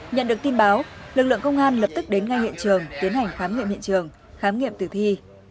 nhận được tin báo lực lượng công an lập tức đến ngay hiện trường tiến hành khám nghiệm hiện trường khám nghiệm tử thi